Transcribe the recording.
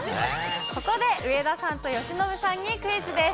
ここで上田さんと由伸さんにクイズです。